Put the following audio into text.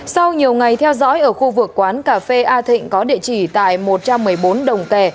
sau nhiều ngày theo dõi ở khu vực quán cà phê a thịnh có địa chỉ tại một trăm một mươi bốn đồng tè